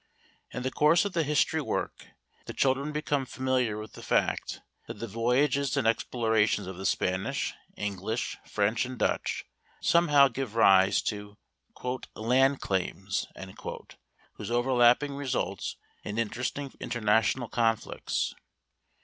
In the course of the history work the children become familiar with the fact that the voyages and explorations of the Spanish, English, French and Dutch somehow give rise to "land claims" whose overlapping results in interesting international conflicts.